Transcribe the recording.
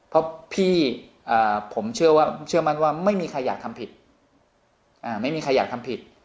เพราะพี่ผมเชื่อมันว่าไม่มีใครอยากทำผิด